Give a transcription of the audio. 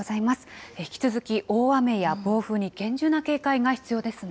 引き続き大雨や暴風に厳重な警戒が必要ですね。